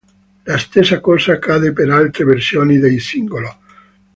La stessa cosa accade per altre versioni del singolo.